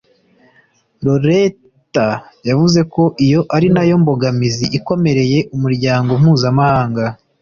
Lauretta yavuze ko iyo ari nayo mbogamizi ikomereye Umuryango mpuzamahanga